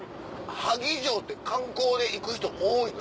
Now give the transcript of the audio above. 萩城って観光で行く人も多いの？